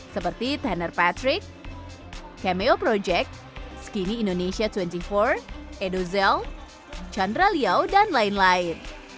seperti tender patrick cameo project skinny indonesia dua puluh empat edozel chandra liau dan lain lain